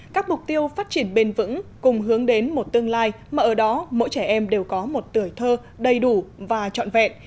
các mục tiêu phát triển bền vững cùng hướng đến một tương lai mà ở đó mỗi trẻ em đều có một tuổi thơ đầy đủ và trọn vẹn